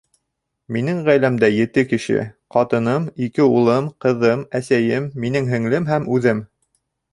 Минең ғаиләмдә ете кеше: ҡатыным, ике улым, ҡыҙым, әсәйем, минең һеңлем һәм үҙем.